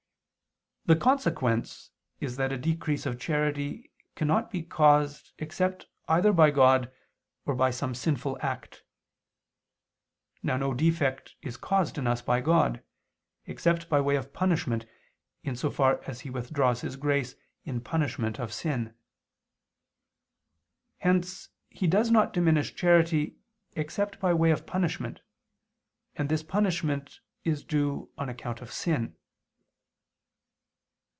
The consequence is that a decrease of charity cannot be caused except either by God or by some sinful act. Now no defect is caused in us by God, except by way of punishment, in so far as He withdraws His grace in punishment of sin. Hence He does not diminish charity except by way of punishment: and this punishment is due on account of sin.